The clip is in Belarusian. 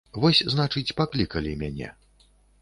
Вось, значыць, паклікалі мяне.